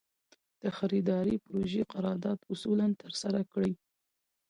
د خریدارۍ پروژې قرارداد اصولاً ترسره کړي.